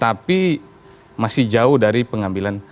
tapi masih jauh dari pengambilan